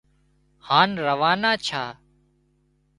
هانَ روانا ڇا